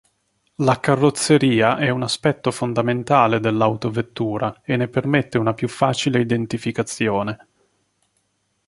La carrozzeria è un aspetto fondamentale dell'autovettura e ne permette una più facile identificazione.